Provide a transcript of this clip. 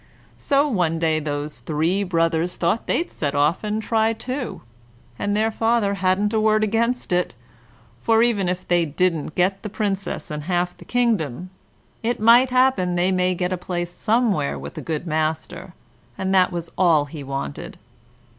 So one day those three brothers thought they'd set off and try too, and their father hadn't a word against it; for even if they didn't get the Princess and half the kingdom, it might happen they might get a place somewhere with a good master; and that was all he wanted.